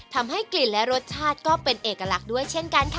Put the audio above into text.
ทำให้กลิ่นและรสชาติก็เป็นเอกลักษณ์ด้วยเช่นกันค่ะ